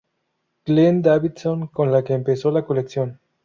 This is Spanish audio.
Glenn Davidson, con la que empezó la colección.